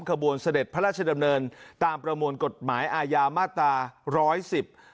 ขบวนเสด็จพระราชดำเนินตามประมวลกฎหมายอาญามาตราร้อยสิบ